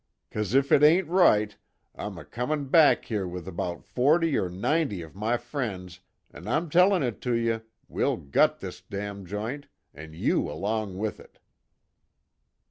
'Cause if it ain't right, I'm a comin' back here with about forty or ninety of my friends an' I'm tellin' it to you, we'll gut this damn joint an' you along with it!"